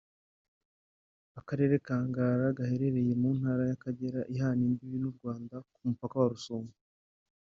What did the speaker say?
Akarere ka Ngara gaherereye mu Ntara ya Kagera ihana imbibi n’u Rwanda ku mupaka wa Rusumo